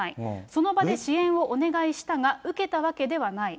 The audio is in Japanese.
その場で支援をお願いしたが、受けたわけではない。